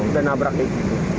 udah nabrak nih